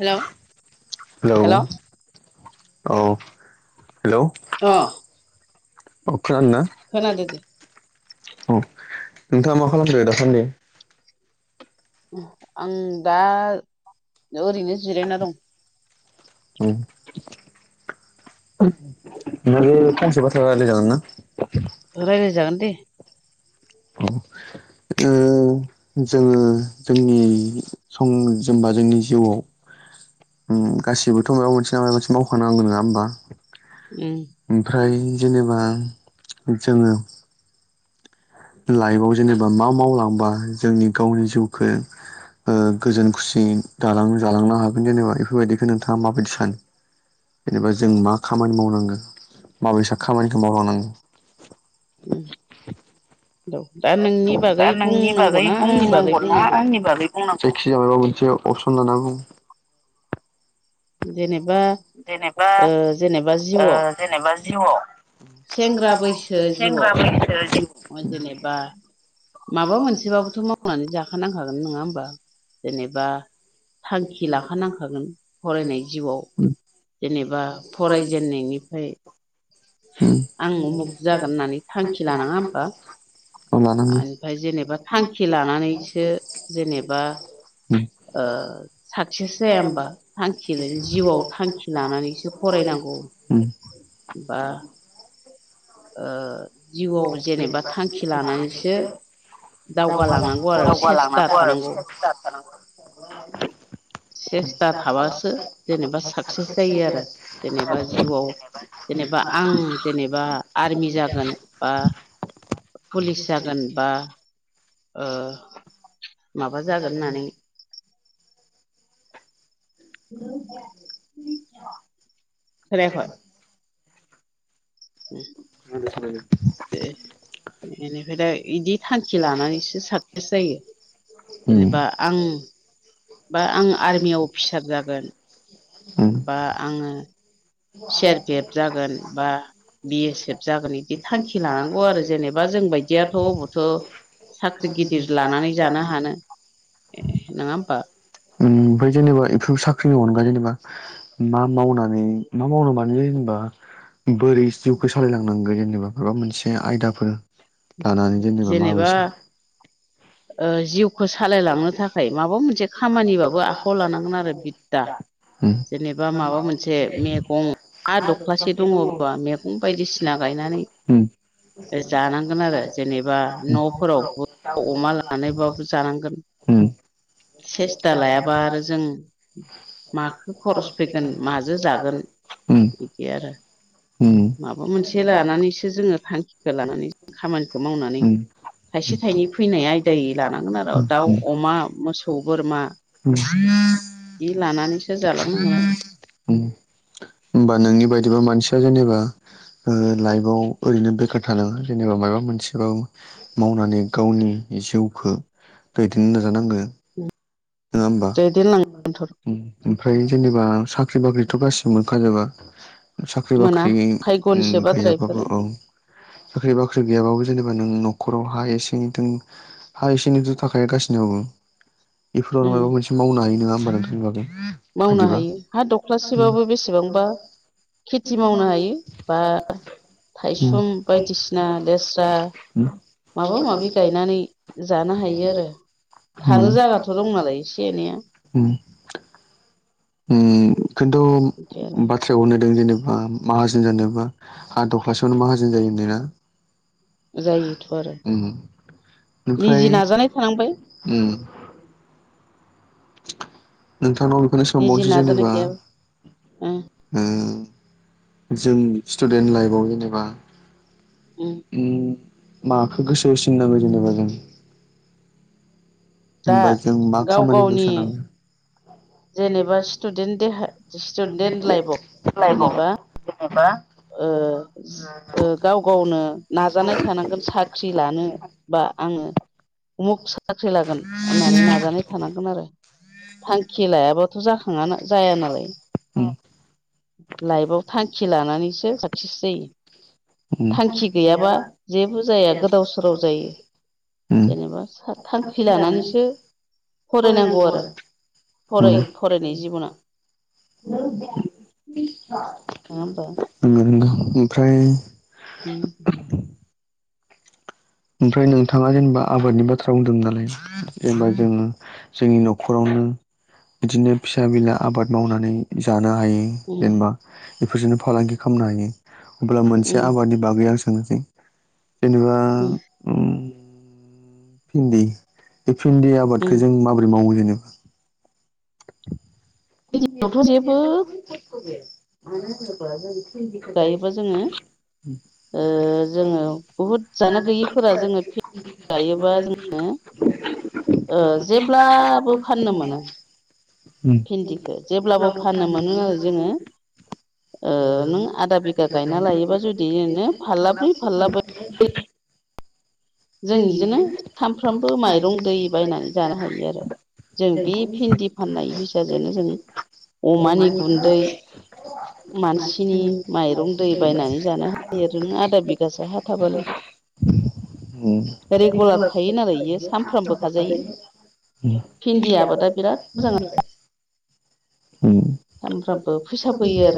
हेल' अ hello- अखा हादोना? खोनादो दे ओव, नोथांङा मा खालादो, दा सानदै? आं दा, ओरैनो जिरायना दं। औव। नों फंसे बाथ़ा राइथाय जोगोना। रायज्लाय जागोन दे। अ औ जोंङो, जोंनि सम जेनबा जोंनि जिउआव ओ गासिबोथ' माबा मोनसे नङा माबा मोनसे मावखा नांगौ नङा होमबा? उम। ओमफ्राय--जेनेबा जोंङो लाइफआव जेनेबा मा मावलांबा जोंनि गावनि जिउखौ गोजोन खुसि दालां जालांनो हागोन जेनेबा बेफोरबायदिखौ नोंथाङा माबायदि सानो जेनेबा जों मा खामानि मावनांगौ माबैसा खामानिखौ मावलांनांगौ दा नोंनि बागै दा नोंनि बुंनांगौनाा आंनि बागै बुंनांगौ जायखि जाबबा मोनसे अपसन लानांगौ जेनेबा जेनेबा ओ जेनेबा जिउआव जब जेनेबा जिह' सेंग्रा सेग्रा बैसो मैसो जिउआव सेग्रा मैसो जेनेबा माबा मोनसेबाबोथ' मावनानै जाखानांखागोन नङा होमबा जेनेबा थांखि लाखानांखागोन फरायनाय जिउआव जेनेबा फरायजेननायनिफ्राय आं उमुख जागोन होननानै थांखि लानाङा होमबा उम लानांगौ ओमफ्राय जेनेबा थांखि लानानैसो जेनेबा उम साक्सेस जाया हबा थांखिजों जिउआव थांखि लानानैसो फरायनांगौ उम बा ओ जिउआव जेनेबा थांखि लानानैसो बाथ दावगालांनांगौ आरो सेस्था खानित थानांगौ [inaudible] सेस्था थाबासो जेनेबा साक्सेस जायो आरो जेनेबा जिउआव जेनेबा आं जेनेबा आर्मि जागोन बा पुलिस जागोन बा माबा जागोन होननानै [unintelligible] ए [inaudible] दे बेनिफ्राय दा बिदि थांखि लानानैसो साक्सेस जायो। उम जेनेबा आं बा आं आर्मियाव अफिसार जागोन उम बा आङो सेरफेब जागोन बा बि एस एफ जागोन बिदि थांखि लानांगौ आरो जेनेबा जोंबायदियाथ' अबावथ' साख्रि गिदिर लानानै जानो हानो ए नङा होमबा ओमफ्राय जेनेबा बेफोर साख्रिनि अनगायै जेनेबा मा मावनानै मा मावनो बानो जेनेबा बोरै जिउखौ सालायलांनांगौ जेनेबा माबा मोनसे आयदाफोर दानानि जन्द जेनेबा माबस जिउखौ सालायलांनो थाखाय माबा मोनसे खामानिबाबो आखायाव लानांगोन आरो बिद्दा उम जेनेबा माबा मोनसे मैगं ह दख्लासे दङबा मगं बिफां बायदिसिना गायनानै उम जानांगौ आरो जेनेबा न'फोराव अमा लानानैबाबो जानांगोन ह सेस्था लायाबा आरो जों मखौो खरस फैगोन माजों जागोन उम बिदि आरो उम माबा मोनसे लानानैसो जोङो थांखिखौ लानानै खामानिखौ मावनानै थाइसे थाइनै फैनाय आयदायै लानांगोन आरो। दाउ होमबा अमा मोसौ बोरमा जि लानानैसो जालांनांगोन आरो होमबा नोंनि बायदिबा मानसिया जेनेबा जोङो लाइफआव ओरैनो बेखार थानाङा जेनेबा माबा मोनसेबाबो मावनानै गावनि जिउखो दैदिनो नाजानांगोन नोङा होमबा? दैदेनलांथ' ओम ओमफ्राय जेनेबा साख्रि बाख्रिथ' गासिबो मोनखाजोबा साख्रि मोना बाख्रि भायग'निसो बाथ्रा इफोरो गै-गैयाबाबो औ। साख्रि बाख्रि गैयाबाबो जेनेबा नों नखराव हा एसे दों हा एसे एनैथ' थाखायो गासिबनावबो बेफोराव उम माबा मोनसे मावनो हायो नोङा होमबा नोंथांनि बागै। मावनो आंनिबा हायो हा दख्लासेबाबो बेसेबांबा खेथि मावनो हायो बा थायसुम बायदिसिना लेस्रा [unintelligible] [unintelligible] माबा माबि गायनानै जानो हायो आरो थानो जायगाथ' ओम। दं नालाय एसे एनैया ओम। उम खिन्थु बिदि आरो बा थ्रायावनो दों जेनेबा माहाजोन जानोबा हा दख्लासेयावनो माहाजोन जायो होनदोंना। जायोथ' आरो निजि नाजानाय थानांबाय। ओम। नोंथांनाव बेखौनो निजि सोंबावनोसै नाजानाय जेनेबा गैयाबा ओं उम जों स्टुडेन्ट लाइफआव जेनेबा ओं ओम माखो गोसो होसिननांगौ जेनेबा जों दा होनबा जों मा गाव खामानिखौ गावनि सोनाङो जेनेबा [unintelligible] स्टुडेन्ट देहा स्टुडेन्ट स्टुदेन्ट लाइफआव लाइभआव लाइभआव जेनेबा जेनेबा ओ ओ गाव-गावनो नाजानाय थानांगोन साख्रि लानो बा आङो उमुख साख्रि लागोन होननानै नाजानाय थानांगोन आरो। थांखि लायाबाथ' जाखाङा जाया नालाय। लाइफआव थांखि लानानैसो साक्सेस जायो। थांखि गैयाबा जेबो जाया गोदाव-सोराव जायो। जेनेबा थांखि लानानैसो फरायनांगौ आरो। फराय फरायनाय जिब'ना। नङा होमबा [unintelligible] नोंगो ओमफ्राय ओम होम। ओमफ्राय नोंथाङा जेनेबा आबादनि बाथ्रा बुंदों नालाय जेनेबा जोङो जोंनि न'खरावनो बिदिनो फिसा बिला आबाद मावनानै जानो हायो। जेनेबा बेफोरजोंनो फालांगि खालामनो हायो अब्ला मोनसे आबादनि बागै आं सोंनोसै जेनेबा उम भिन्दि बे भिन्दि आबादखो जों माबोरै मावो जेनेबा? थ' जेबो भिनदियावथ' बेयो [unintelligible] गायोबा जोङो [unintelligible] ओ जोङो बुहुद जानो [unintelligible] गैयिफोरा जोङो [unintelligible] गायोबा जोङो ओ ओ जेब्लाबो जेब्लाबो सायो उम। भिन्दिखो जेब्लाबो फाननो मोनो आरो जोङो। ओ नों आदा बिघा गायना लायोबा जुदिनो नोंनो फारलाब्रै फारलाबा [unintelligible] जों इजोंनो सामफ्रामबो माइरं दै बायनानै जानो हायो आरो। जों बि भिन्दि फाननाय फैसाजोनो जों अमानि गुन्दै मानसिनि माइरं दै बायनानै जानो हायो। ओरैनो आदा बिगासो हा थाबानो। उम रिगुलार थायो नालाय बियो सानफ्रोमबो खाजायो। भिन्दि आबादा बिराद मोजां आरो उम नांथारगौवाव फैसा फैयो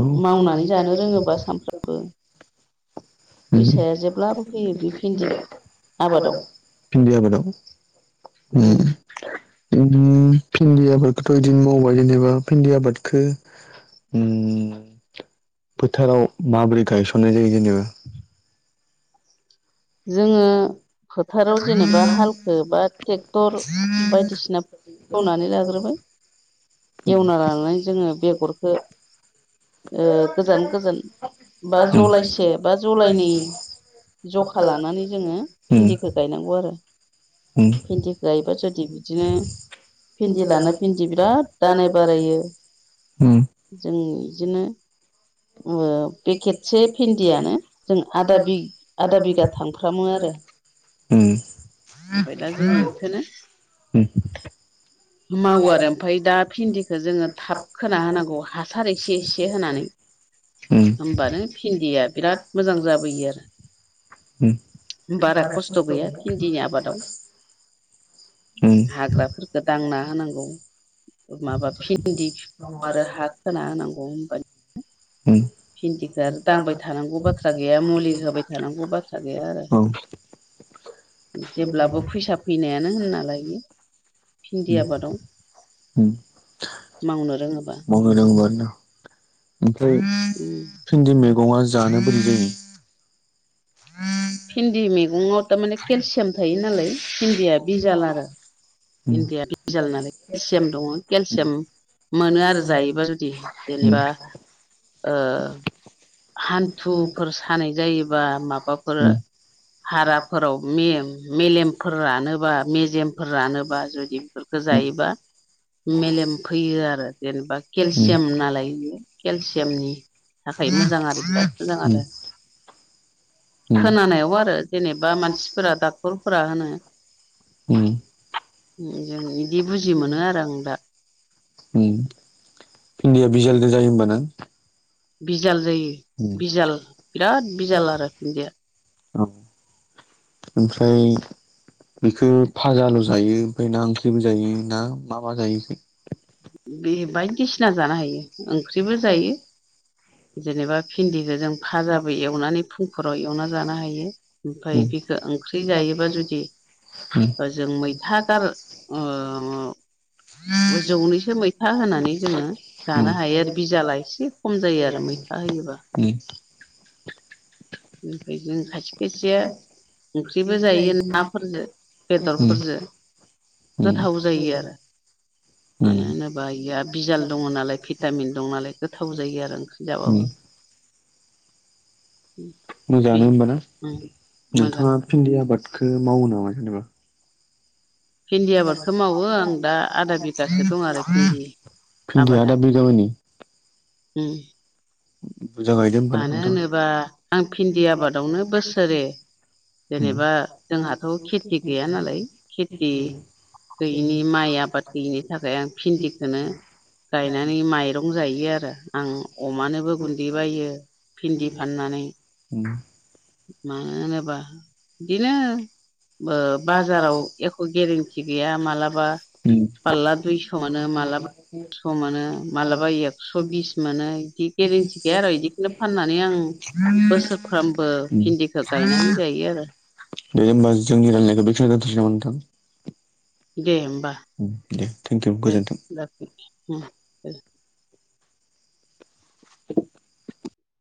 औ मावनानै जानो रोङोबा [unintelligible] फैसाया जेब्लाबो [unintelligible] फैयो बे भिन्दि आबादाव आबादाव उम। उम भिन्दि आबादखोथ' इदिनो मावबाय जेनेबा भिन्दि आबादखो उम फोथाराव माबोरै गायसननाय जायो जेनेबा जोङो फोथाराव जेनेबा हालखो बा टेक्टर बायदिसिना एवनानै लाग्रोबाय। एवना लानानै जोङो बेगरखो ओ गोजान गोजान बा जलाइसे बा जलाइनै जख खा लानानै जोङो भिन्दिखौ गायनांगौ आरो भिन्दिखौ गायोबा जुदि बिदिनो भिन्दि लाना भिन्दि बिराद दानाय बारायो जों बिदिनो ओ पेकेटसे भिन्दियानो जों आदा बिग आदा बिगा थांफ्रामो आरो ओमफ्राय दा जों बेखोनो उम। मावो आरो ओमफ्राय दा भिन्दिखौ जोङो थाब खोना होनांगौ हासार एसे एसे होनानै होमबानो भिन्दिया दा बिराद [unintelligible] उम मोजां उम। जाबोयो आरो बारा खस्थ' गैया भिन्दिनि आबादाव। उम। हाग्राफोरफोरखौ दांना होनांगौ। माबा भिन्दि आरो हा खोना होनांगौ होनबा उम। भिन्दिखो आरो दांबाय थानांगौ बाथ्रा गैया मुलि होबाय थानांगौ बाथ्रा गैया आरो औ जेब्लाबो फैसा फैनायानो होनना लायो। भिन्दि आबादाव उम मावनो रोङोबा मावनो रोंबा न'। ओमफ्राय भिन्दि मैगङा जानो बोरै जायो? भिन्दि मैगंआव तामाने केलसियाम थायो नालाय भिन्दिया बिजाल आरो उम भिन्दिया बिजाल नालाय केलसियाम दङ' केलसियाम मोनो आरो जायोबा जुदि उम जेनेबा ओ हान्थुफोर सानाय जायोबा माबाफोर उम हाराफोराव मेम मेलेमफोर रानोबा मेजेमफोर रानो बा जुदि बेफोरखौ उम जायोबा मेलेम फैयो आरो जेनेबा केलसियाम नालाय इयो केलसियामनि थाखाय मोजां आरो बिराद मोजां आरो उम उम खोनानायाव आरो जेनेबा मानसिफोरा डाक्टरफोरा होनो उम। जों बिदि बुजि मोनो आरो आं दा। उम भिन्दिया बिजालदो जायो होमबा ना बिजाल जायो बिजाल बिराद बिजाल आरो भिन्दिया। अम ओमफ्राय बेखो भाजाल' जायो ओमफ्राय ना ओंख्रिबो जायो ना मा मा जायो इखो? बे बायदिसिना जानो हायो ओंख्रिबो जायो। जेनेबा भिन्दिखौ जों भाजाबो एवनानै फुंफोराव एवना जानो हायो ओमफ्राय बेखो जों मैथा गार [unintelligible] [inaudible] ओ जौनैसो मैथा होनानै जोङो जानो हायो आरो बिजाला एसे खम जायो आरो मैथा होयोबा [unintelligible] उम ओनिफ्राय जों खायथि खायसेया ओंख्रिबो जायो नाफोरजों बेखौ बेदरफोरजों गोथाव जायो आरो। [unintelligible] मानो होनोबा इया बिजाल दङ' नालाय भिटामिन दं नालाय गोथाव जायो आरो ओंख्रि जाबाबो। बे मोजाङानो होमबा ना उम नोंथाङा मोजां भिन्दि आबादखो मावो नामा जेनेबा [unintelligible] भिन्दि आबादखौ मावो आं दा आदा बिगासो दं आरो भिन्दि भिन्दिया आबादा आदा बिगा मानि उम। बुरजा गायदो होमबाना मानो नोंथां होनोबा आं भिन्दि आबादावनो बोसोरै उम जेनेबा जोंहाथ' खेति गैया नालाय खेति गैयिनि माइ आबाद गैयिनि थाखाय आं भिन्दिखोनो गायनानै माइरं जायो आरो आं अमानो बो गुन्दै बायो भिन्दि फाननानै उम मानो होनोबा बिदिनो ओ बाजाराव एख' गेरेन्टि गैया माब्लाबा उम फालला दुइस'आनो माला एकस' मोनो मालाबा एकस' बिस मोनो बिदि गेरेन्टि गैया आरो बिदि दिनो फाननानै आं बोसोरफ्रामबो उम हिन्दिखौ गायनानै जायो आरो। दे होमबा जोंनि रायलायनायखौ बेखिनियावनो दोन्थनोसै नामा नोंथां? दे होमबा दे थेंकिइउ गोजोन्थों [unintelligible] [unintelligible]